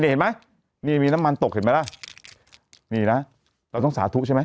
เห็นไหมนี่มีน้ำมันตกเห็นไหมล่ะนี่นะเราต้องสาธุใช่ไหม